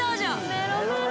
メロメロ